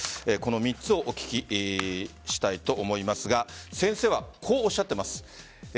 この３つをお聞きしたいと思いますが先生はこうおっしゃっています。